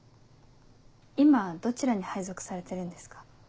今どちらに配属されてるんですか？